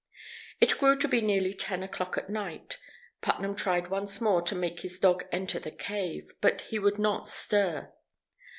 It grew to be nearly ten o'clock at night. Putnam tried once more to make his dog enter the cave, but he would not stir.